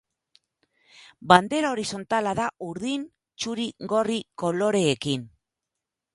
Bandera horizontala da urdin-txuri-gorri koloreekin.